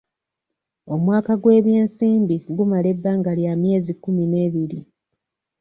Omwaka gw'ebyensimbi gumala ebbanga lya myezi kkumi n'ebiri.